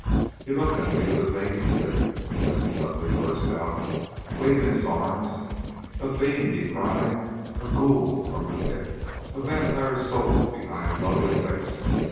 He looked at me with a vacant stare, and then suddenly burst out, waving his arms: "A fiend!" he cried. "A ghoul from the pit! A vampire soul behind a lovely face!